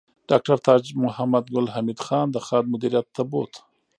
ډاکټر تاج محمد ګل حمید خان د خاد مدیریت ته بوت